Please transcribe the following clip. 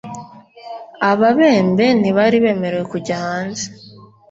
ababembe ntibari bemerewe kujya hanze